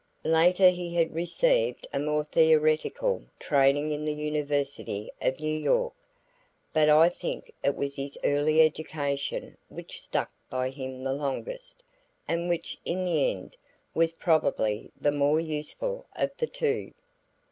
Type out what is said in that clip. Later he had received a more theoretical training in the University of New York, but I think it was his early education which stuck by him longest, and which, in the end, was probably the more useful of the two.